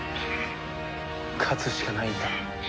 勝つしかないんだ。